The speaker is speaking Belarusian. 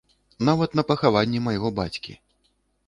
Нават на пахаванні майго бацькі.